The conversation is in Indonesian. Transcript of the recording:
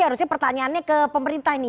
harusnya pertanyaannya ke pemerintah nih